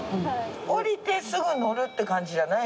降りてすぐ乗るって感じじゃない。